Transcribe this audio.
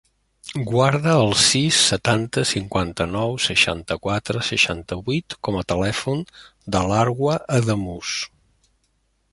Guarda el sis, setanta, cinquanta-nou, seixanta-quatre, seixanta-vuit com a telèfon de l'Arwa Adamuz.